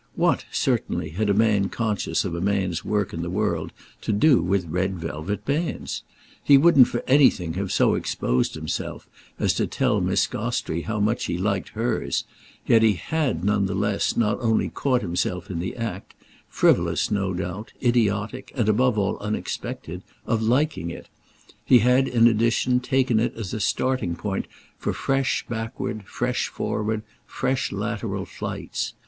What, certainly, had a man conscious of a man's work in the world to do with red velvet bands? He wouldn't for anything have so exposed himself as to tell Miss Gostrey how much he liked hers, yet he had none the less not only caught himself in the act—frivolous, no doubt, idiotic, and above all unexpected—of liking it: he had in addition taken it as a starting point for fresh backward, fresh forward, fresh lateral flights.